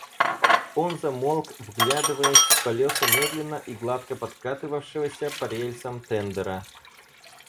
Он замолк, вглядываясь в колеса медленно и гладко подкатывавшегося по рельсам тендера.